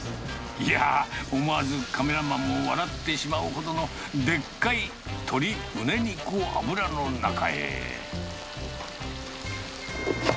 いやー、思わずカメラマンも笑ってしまうほどのでっかい鶏むね肉を油の中へ。